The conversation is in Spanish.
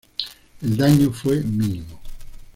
El daño fue mínimo.